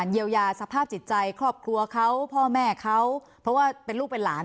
เยียวยาสภาพจิตใจครอบครัวเขาพ่อแม่เขาเพราะว่าเป็นลูกเป็นหลาน